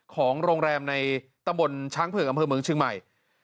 ของโรงแรมในตำบลช้างเผือกอำเภอเมืองเชียงใหม่